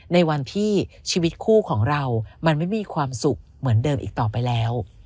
ในวันที่ชีวิตคู่ของเรามันไม่มีความสุขเหมือนเดิมอีกต่อไปแล้ว